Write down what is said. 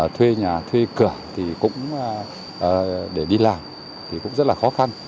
thuê nhà thuê cửa thì cũng để đi làm thì cũng rất là khó khăn